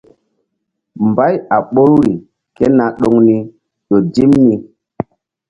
Mbay a ɓoruri ké na ɗoŋ ni ƴo dim ni.